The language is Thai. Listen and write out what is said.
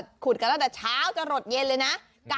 ขุดกันตั้งแต่เช้าจะหลดเย็นเลยนะ